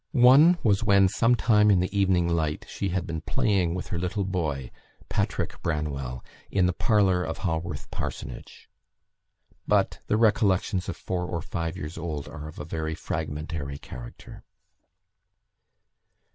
One was when, sometime in the evening light, she had been playing with her little boy, Patrick Branwell, in the parlour of Haworth Parsonage. But the recollections of four or five years old are of a very fragmentary character.